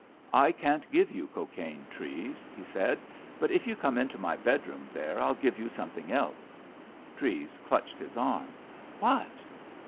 "I can't give you cocaine, Treves," he said, "but if you come into my bedroom there, I'll give you something else." Treves clutched his arm. "What?"